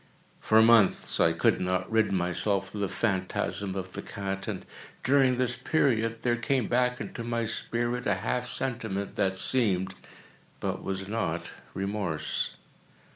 For months I could not rid myself of the phantasm of the cat; and, during this period, there came back into my spirit a half sentiment that seemed, but was not, remorse.